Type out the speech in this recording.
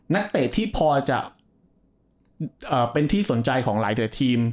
นักเตะที่พอจะเป็นที่สนใจของหลายแต่ทีม